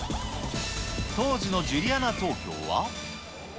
当時のジュリアナ東京は。